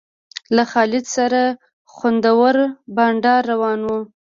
له خالد سره خوندور بنډار روان و.